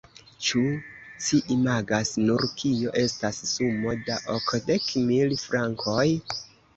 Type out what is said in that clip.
Ĉu ci imagas nur, kio estas sumo da okdek mil frankoj?